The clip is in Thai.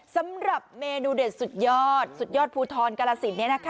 สำหรับเมนูเด็ดสุดยอดสุดยอดภูทรกาลสิน